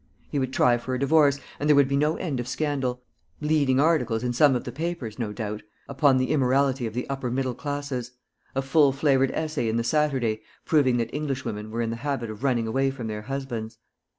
He would try for a divorce, and there would be no end of scandal leading articles in some of the papers, no doubt, upon the immorality of the upper middle classes; a full flavoured essay in the Saturday, proving that Englishwomen were in the habit of running away from their husbands.